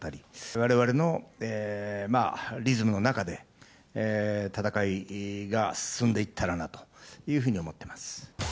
われわれのリズムの中で、戦いが進んでいったらなというふうに思ってます。